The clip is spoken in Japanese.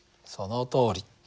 そのとおり。